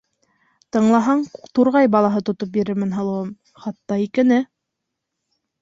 - Тыңлаһаң, турғай балаһы тотоп бирермен, һылыуым, хатта икене.